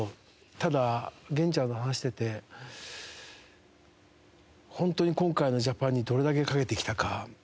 ただ源ちゃんと話してて本当に今回のジャパンにどれだけ懸けてきたか。